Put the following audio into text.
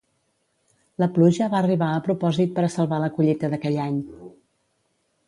La pluja va arribar a propòsit per a salvar la collita d'aquell any.